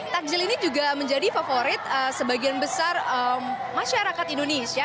takjil ini juga menjadi favorit sebagian besar masyarakat indonesia